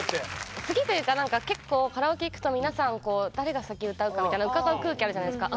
好きというか何か結構カラオケ行くと皆さん誰が先歌うかみたいなうかがう空気あるじゃないですか。